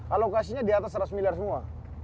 alokasinya di atas seratus miliar semua